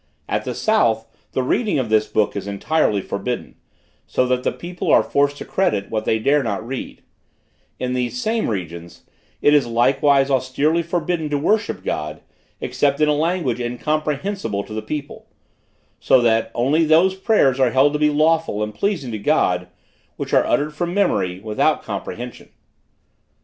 At the south the reading of this book is entirely forbidden; so that the people are forced to credit what they dare not read; in these same regions, it is likewise austerely forbidden to worship God, except in a language incomprehensible to the people; so that, only those prayers are held to be lawful and pleasing to God, which are uttered from memory, without comprehension.